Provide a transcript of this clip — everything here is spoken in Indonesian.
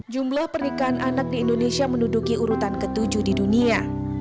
jumlah pernikahan anak di indonesia menuduki urutan ke tujuh di dunia